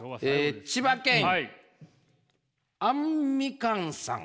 千葉県あんみかんさん。